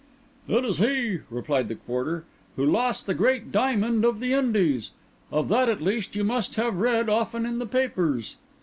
"It is he," replied the porter, "who lost the great diamond of the Indies. Of that at least you must have read often in the papers."